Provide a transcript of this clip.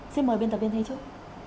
xin mời biên tập viên hay chút